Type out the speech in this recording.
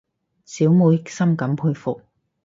小妹深感佩服